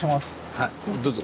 はいどうぞ。